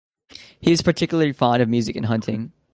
He was particularly fond of music and hunting.